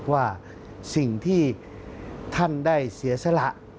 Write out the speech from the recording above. ว่าสิ่งที่ท่านได้เสียสละ